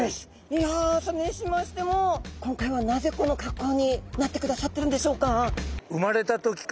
いやそれにしましても今回はなぜこの格好になってくださってるんでしょうか？